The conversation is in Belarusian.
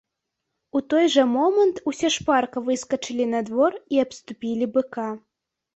У той жа момант усе шпарка выскачылі на двор і абступілі быка.